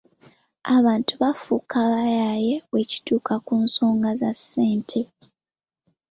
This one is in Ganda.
Abantu baafuuka bayaaye bwe kituuka ku nsonga za ssente.